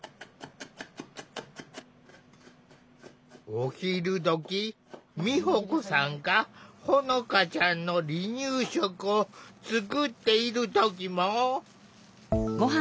お昼どき美保子さんがほのかちゃんの離乳食を作っている時も。